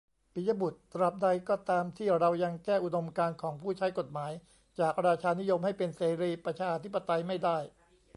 ปิยะบุตร : ตราบใดก็ตามที่เรายังแก้อุดมการณ์ของผู้ใช้กฎหมาย จากราชานิยม ให้เป็นเสรีประชาธิปไตยไม่ได้